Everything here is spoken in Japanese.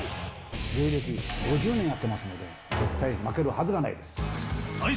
芸歴５０年やってますので、絶対負けるはずがないです。